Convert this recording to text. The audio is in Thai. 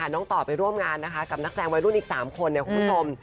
น้องต่อไปร่วมงานกับนักแสงวัยรุ่นอีก๓คนคุณผู้ชม